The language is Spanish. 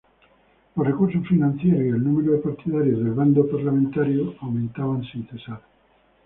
Los recursos financieros y el número de partidarios del bando parlamentario aumentaban sin cesar.